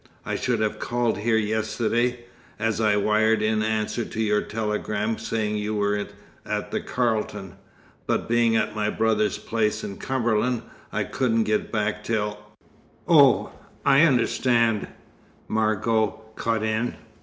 I should have called here yesterday, as I wired in answer to your telegram saying you were at the Carlton, but being at my brother's place in Cumberland, I couldn't get back till " "Oh, I understand," Margot cut in.